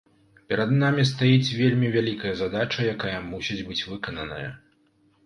Перад намі стаіць вельмі вялікая задача, якая мусіць быць выкананая.